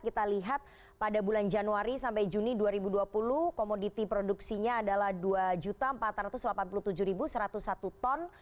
kita lihat pada bulan januari sampai juni dua ribu dua puluh komoditi produksinya adalah dua empat ratus delapan puluh tujuh satu ratus satu ton